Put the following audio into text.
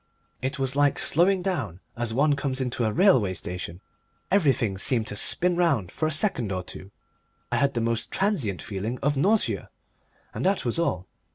It was like slowing down as one comes into a railway station. Everything seemed to spin round for a second or two, I had the most transient feeling of nausea, and that was all.